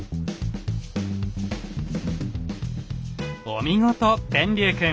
お見事天龍くん。